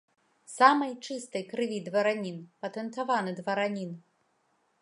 Самай чыстай крыві дваранін, патэнтаваны дваранін.